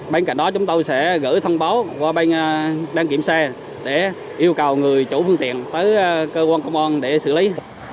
bên cạnh đó chúng tôi sẽ gửi thông báo qua bên đăng kiểm xe để yêu cầu người chủ phương tiện tới cơ quan công an để xử lý